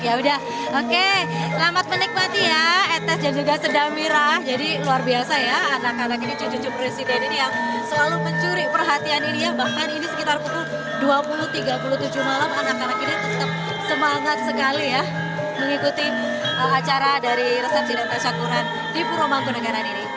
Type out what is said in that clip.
ya udah oke selamat menikmati ya etes dan juga sedang merah jadi luar biasa ya anak anak ini cucu cucu presiden ini yang selalu mencuri perhatian ini ya bahkan ini sekitar pukul dua puluh tiga puluh malam anak anak ini tetap semangat sekali ya mengikuti acara dari resepsi dan pesakuran di purwomanto negara ini